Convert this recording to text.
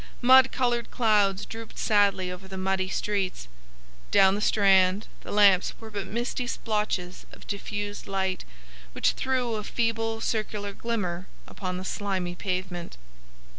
Mud coloured clouds drooped sadly over the muddy streets. Down the Strand the lamps were but misty splotches of diffused light which threw a feeble circular glimmer upon the slimy pavement.